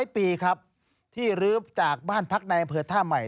๐ปีครับที่รื้อจากบ้านพักในอำเภอท่าใหม่